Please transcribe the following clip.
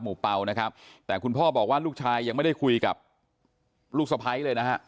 เป่านะครับแต่คุณพ่อบอกว่าลูกชายยังไม่ได้คุยกับลูกสะพ้ายเลยนะฮะ